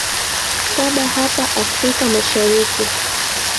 saba hapa afrika mashariki